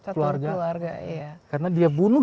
keluarga karena dia bunuh